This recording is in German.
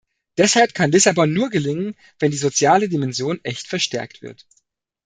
Deshalb kann Lissabon nur gelingen, wenn die soziale Dimension echt verstärkt wird.